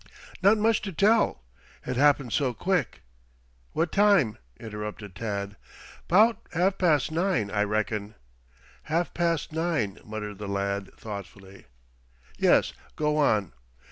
"Not much to tell. It happened so quick " "What time?" interrupted Tad. "'Bout half past nine, I reckon." "Half past nine," muttered the lad thoughtfully. "Yes; go on."